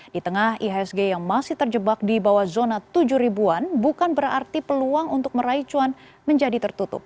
di tengah ihsg yang masih terjebak di bawah zona tujuh ribuan bukan berarti peluang untuk meraih cuan menjadi tertutup